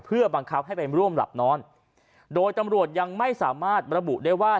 เพื่อบังคับให้ไปร่วมหลับนอนโดยตำรวจยังไม่สามารถระบุได้ว่า